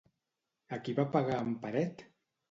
A qui va pegar en Peret?